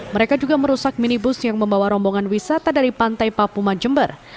mereka juga merusak minibus yang membawa rombongan wisata dari pantai papuma jember